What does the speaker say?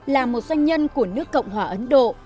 là một doanh nhân của nước cộng hòa ấn độ